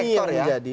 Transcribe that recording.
ini yang akan menjadi